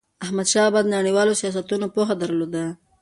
احمدشاه بابا د نړیوالو سیاستونو پوهه درلوده.